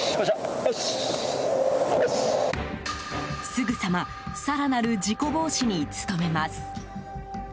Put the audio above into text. すぐさま更なる事故防止に努めます。